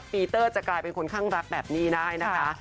ปีเตอร์จะกลายเป็นคนข้างรักแบบนี้ได้นะคะ